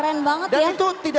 wah keren banget ya